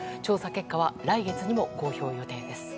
結果は来月にも公表予定です。